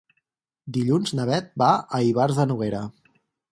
Dilluns na Beth va a Ivars de Noguera.